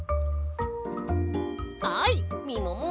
はいみもも。